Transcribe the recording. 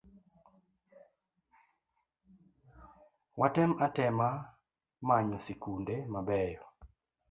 Watem atema manyo sikunde mabeyo